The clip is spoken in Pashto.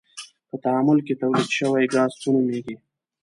په تعامل کې تولید شوی ګاز څه نومیږي؟